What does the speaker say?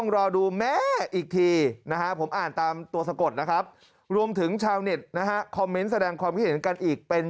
รอดูแม่อีกทีนะฮะผมอ่านตามตัวสะกดนะครับรวมถึงชาวเน็ตนะฮะคอมเมนต์แสดงความคิดเห็นกันอีกเป็น